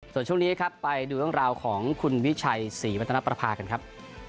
ส่วนช่วงนี้ครับไปดูเรื่องราวของคุณวิชัยศรีวัฒนประภากันครับ